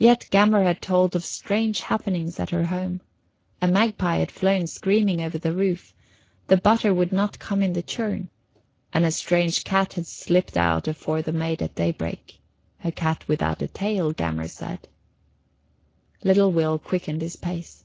Yet Gammer had told of strange happenings at her home. A magpie had flown screaming over the roof, the butter would not come in the churn, an' a strange cat had slipped out afore the maid at daybreak a cat without a tail, Gammer said Little Will quickened his pace.